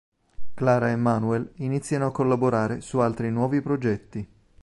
Clara e Manuel iniziano a collaborare su altri nuovi progetti.